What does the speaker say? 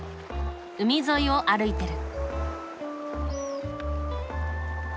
海沿いを歩いてる。